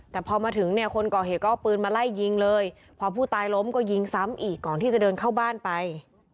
แต่พอมาถึงเนี่ยคนก่อเหตุก็เอาปืนมาไล่ยิงเลยพอผู้ตายล้มก็ยิงซ้ำอีกก่อนที่จะเดินเข้าบ้านไป